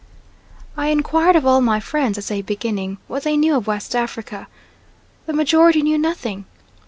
I inquired of all my friends as a beginning what they knew of West Africa. The majority knew nothing.